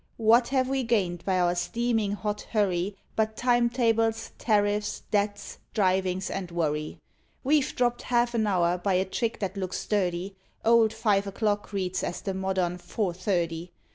what have we gained by our steaming hot hurry, But time tables, tariffs, debts, drivings, and worry? We've dropped half an hour by a trick that looks dirty: Old five o'clock reads as the modern "four thirty."